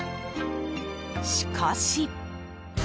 しかし。